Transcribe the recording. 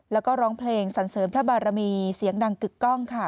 แล้วก็ร้องเพลงสันเสริมพระบารมีเสียงดังกึกกล้องค่ะ